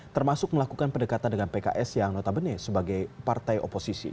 termasuk melakukan pendekatan dengan pks yang notabene sebagai partai oposisi